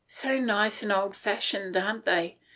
" So nice and old fashioned, aren't they